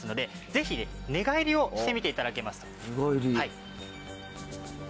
ぜひ寝返りをしてみて頂きますと。